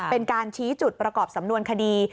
เป็นการชี้จุดประกอบสำนวนคดี